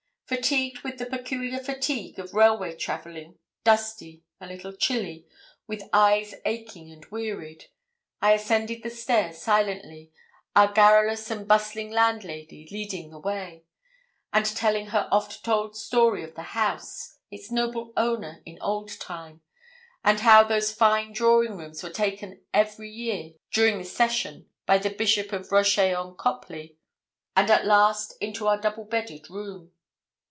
Fatigued with the peculiar fatigue of railway travelling, dusty, a little chilly, with eyes aching and wearied, I ascended the stairs silently, our garrulous and bustling landlady leading the way, and telling her oft told story of the house, its noble owner in old time, and how those fine drawing rooms were taken every year during the Session by the Bishop of Rochet on Copeley, and at last into our double bedded room.